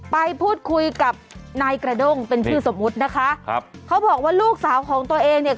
ไปพูดคุยกับนายกระด้งเป็นชื่อสมมุตินะคะครับเขาบอกว่าลูกสาวของตัวเองเนี่ย